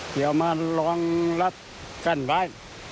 เดี๋ยวมาลองรัดกั้นไว้